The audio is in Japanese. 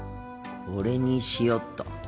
これにしよっと。